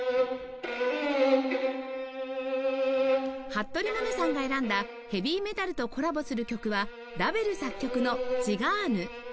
服部百音さんが選んだヘヴィメタルとコラボする曲はラヴェル作曲の『ツィガーヌ』